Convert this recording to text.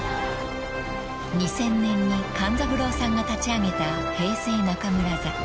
［２０００年に勘三郎さんが立ち上げた平成中村座］